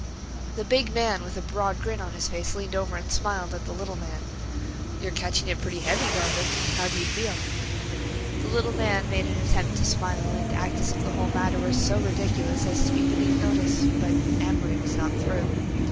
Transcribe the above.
The big man with a broad grin on his face leaned over and smiled at the little man. "You're catching it pretty heavy, Garvin; how do you feel?" The little man made an attempt to smile and act as if the whole matter were so ridiculous as to be beneath notice. But Amory was not through.